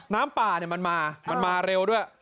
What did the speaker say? น้ำป่าเนี่ยมันมามันมาเร็วด้วย